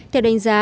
theo đánh giá